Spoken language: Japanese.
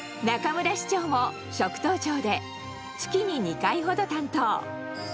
中村士長も食当長で月に２回ほど担当。